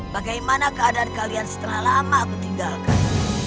bagaimana keadaan kalian setelah lama kutinggalkan